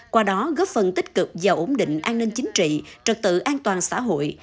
qua đó góp phần tích cực vào ổn định an ninh chính trị trật tự an toàn xã hội